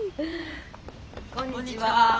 こんにちは。